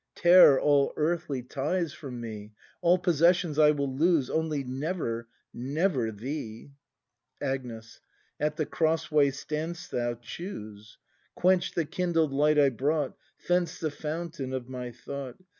Tear all earthly ties from me. All possessions I will lose, Only never, never thee! Agnes. At the cross way stand 'st thou: choose! Quench the kindled light I brought. Fence the fountain of my thought.